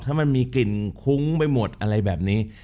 ถ้ามันมีกลิ่นคุ้งไปหมดอะไรแบบนี้